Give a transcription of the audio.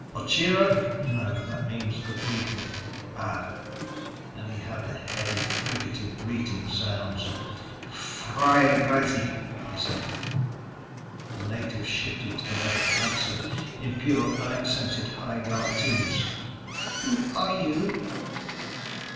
Ocheero? No. That means 'The People.' Ah ... And he had the heavy fricative greeting sound. "Ffroiragrazzi," he said. The native shifted to the left, answered in pure, unaccented High Galactese: "Who are you?"